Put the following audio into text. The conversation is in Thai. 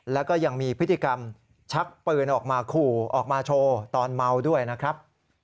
แล้วก็ยังมีพฤติกรรมชักปืนออกมาขู่ออกมาโชว์ตอนเมาด้วยนะครับ